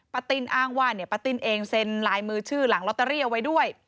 ติ้นอ้างว่าป้าติ้นเองเซ็นลายมือชื่อหลังลอตเตอรี่เอาไว้ด้วย